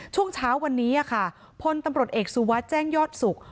ช่วงเช้าวันนี้ค่ะพลตำรวจเอกสุวัสดิ์แจ้งยอดศุกร์